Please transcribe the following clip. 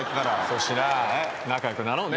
粗品仲良くなろうね。